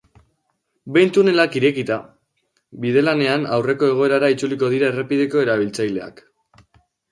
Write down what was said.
Behin tunelak irekita, bidelanen aurreko egoerara itzuliko dira errepideko erabiltzaileak.